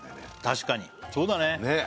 確かにそうだねねえ